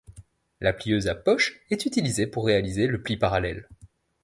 La plieuse à poches est utilisée pour réaliser le pli parallèle.